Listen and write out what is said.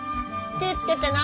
気ぃ付けてな。